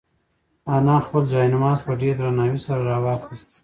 انا خپل جاینماز په ډېر درناوي سره راواخیست.